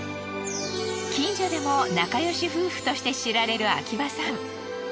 近所でも仲良し夫婦として知られる秋葉さん。